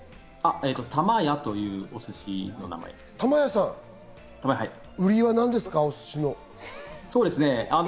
たまやというお寿司屋さんです。